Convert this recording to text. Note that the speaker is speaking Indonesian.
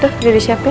tuh udah disiapin